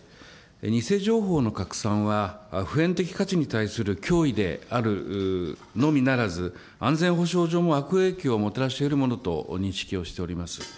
偽情報の拡散は普遍的価値に対する脅威であるのみならず、安全保障上も悪影響をもたらしえるものと認識をしております。